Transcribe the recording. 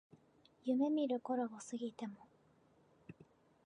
夢見る頃を過ぎても